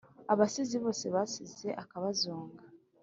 Abasizi bose basize akabazonga,